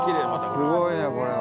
すごいなこれは。